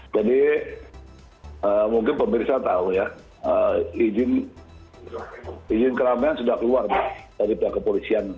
jadi mungkin pemirsa tahu ya izin keramaian sudah keluar dari pihak kepolisian